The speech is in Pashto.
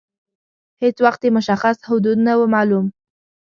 هیڅ وخت یې مشخص حدود نه وه معلوم.